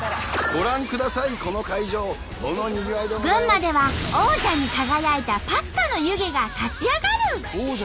群馬では王者に輝いたパスタの湯気が立ち上がる。